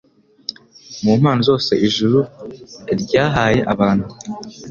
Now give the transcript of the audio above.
Mu mpano zose ijuru lyahaye abantu,